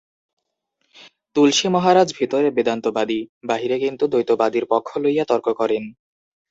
তুলসী মহারাজ ভিতরে বেদান্তবাদী, বাহিরে কিন্তু দ্বৈতবাদীর পক্ষ লইয়া তর্ক করেন।